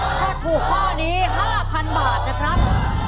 ถ้าถูกข้อนี้๕๐๐๐บาทนะครับ